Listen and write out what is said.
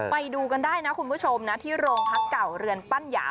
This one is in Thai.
ไปดูกันได้นะคุณผู้ชมนะที่โรงพักเก่าเรือนปั้นหยา